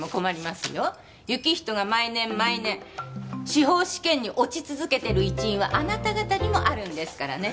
行人が毎年毎年司法試験に落ち続けてる一因はあなた方にもあるんですからね。